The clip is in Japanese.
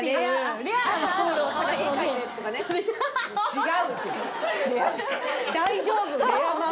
違う！